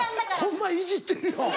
ホンマいじってるよ。